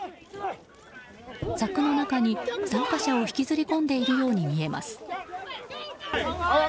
柵の中に参加者を引きずり込んでいるように見えます。